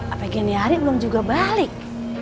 apa ini hari belum juga balik